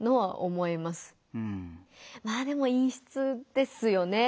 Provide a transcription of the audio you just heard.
まぁでも陰湿ですよね。